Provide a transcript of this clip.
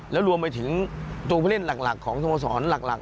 แล้วรวมไปถึงตัวเพื่อเล่นหลักของสมสรรค์หลัก